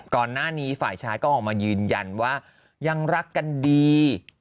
ก่อนหน้านี้ฝ่ายชายก็ออกมายืนยันว่ายังรักกันดี